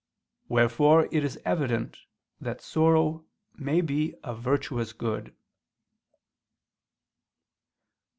Wherefore it is evident that sorrow may be a virtuous good.